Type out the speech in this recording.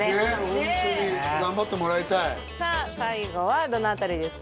ホントに頑張ってもらいたいさあ最後はどの辺りですか？